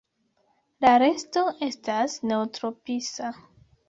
La resto estas neotropisa.